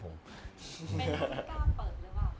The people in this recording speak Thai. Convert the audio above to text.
เป็นที่กล้าเปิดรึยังอ่ะครับน้ำ